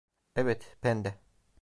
Evet, ben de.